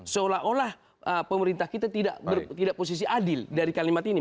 seolah olah pemerintah kita tidak posisi adil dari kalimat ini